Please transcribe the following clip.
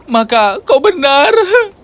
maka kau benar